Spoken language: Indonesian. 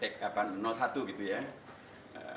satu gitu ya